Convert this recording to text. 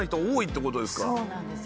そうなんですよね。